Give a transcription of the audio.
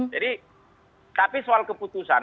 jadi tapi soal keputusan